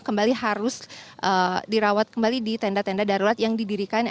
kembali harus dirawat kembali di tenda tenda darurat yang didirikan